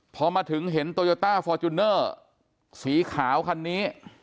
พอมาถึงเห็นโตโยต้าฟอร์จูเนอร์สีขาวคันนี้